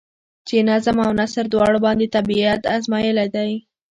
چې نظم او نثر دواړو باندې طبېعت ازمائېلے دے ۔